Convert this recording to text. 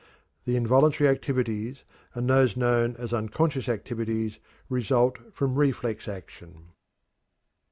The involuntary activities, and those known as unconscious activities, result from reflex action.